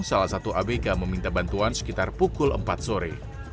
salah satu abk meminta bantuan sekitar pukul empat sore